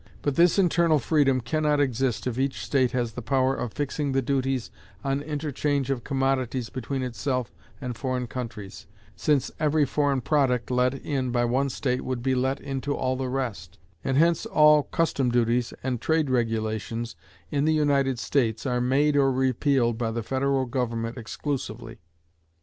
But this internal freedom can not exist if each state has the power of fixing the duties on interchange of commodities between itself and foreign countries, since every foreign product let in by one state would be let into all the rest; and hence all custom duties and trade regulations in the United States are made or repealed by the federal government exclusively.